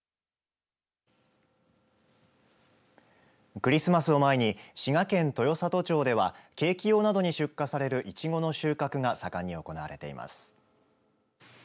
クリスマスを前に滋賀県豊郷町ではケーキ用などに出荷されるいちごの収穫が盛んに行われています。